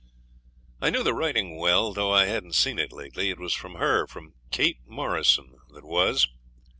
I knew the writing well, though I hadn't seen it lately. It was from her from Kate Morrison that was.